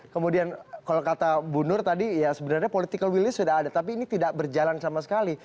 kemudian kalau kata bu nur tadi ya sebenarnya political willy sudah ada tapi ini tidak berjalan sama sekali